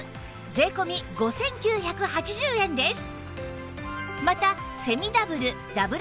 税込５９８０円です